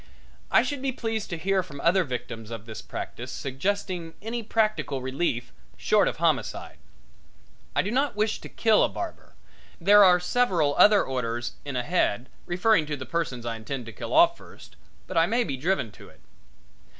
I should be pleased to hear from other victims of this practice suggesting any practical relief short of homicide. I do not wish to kill a barber there are several other orders in ahead, referring to the persons I intend to kill off first but I may be driven to it.